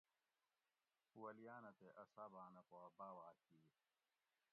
ولیاۤنہ تے اصحاباۤںہ پا باواۤ کیت